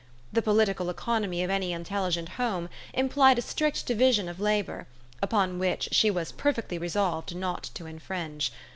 The political economy of any intelligent home im plied a strict division of labor, upon which she was perfectly resolved not to infringe.